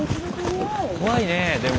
怖いねえでも。